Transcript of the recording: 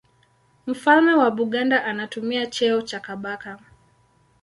Mfalme wa Buganda anatumia cheo cha Kabaka.